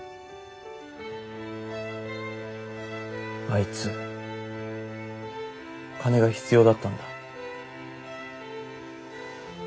あいつ金が必要だったんだ。